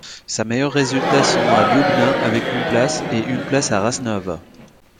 Ses meilleures résultats sont à Ljubna avec une place et une place à Rasnov.